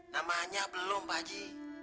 namanya belum pak haji